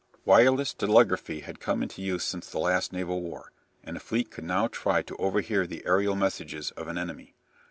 Wireless telegraphy had come into use since the last naval war, and a fleet could now try to overhear the aerial messages of an enemy.